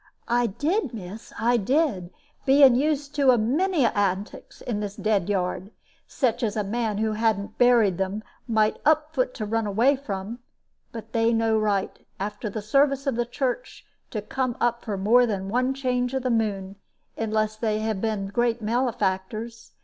"I did, miss, I did; being used to a many antics in this dead yard, such as a man who hadn't buried them might up foot to run away from. But they no right, after the service of the Church, to come up for more than one change of the moon, unless they been great malefactors.